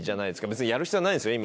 別にやる必要はないですよ